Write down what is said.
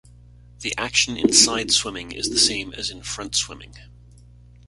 The action in side swimming is the same as in front swimming.